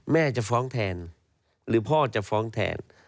แม่จะฟ้องแทนหรือพ่อจะฟ้องแทน